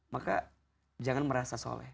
maka jangan merasa soleh